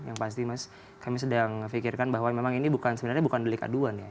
yang pasti mas kami sedang memikirkan bahwa memang ini sebenarnya bukan beli kaduan ya